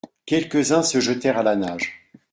Quelques-uns se jetèrent à la nage.